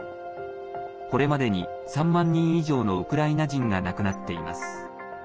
これまでに３万人以上のウクライナ人が亡くなっています。